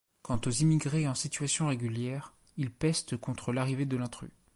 Quant aux immigrés en situation régulière, ils pestent contre l'arrivée de l'intrus...